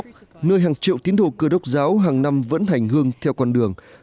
phát triển hơn